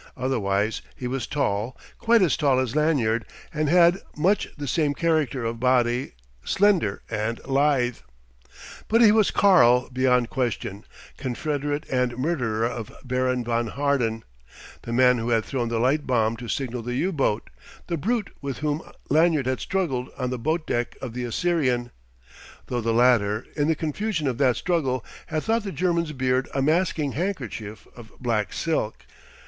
Otherwise, he was tall, quite as tall as Lanyard, and had much the same character of body, slender and lithe. But he was "Karl" beyond question, confederate and murderer of Baron von Harden, the man who had thrown the light bomb to signal the U boat, the brute with whom Lanyard had struggled on the boat deck of the Assyrian though the latter, in the confusion of that struggle, had thought the German's beard a masking handkerchief of black silk.